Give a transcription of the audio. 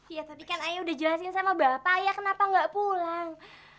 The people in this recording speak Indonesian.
iya tapi kan ayah udah jelasin sama bapak ayah kenapa gak pulang